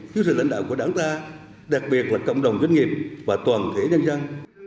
dưới sự lãnh đạo của đảng ta đặc biệt là cộng đồng doanh nghiệp và toàn thể nhân dân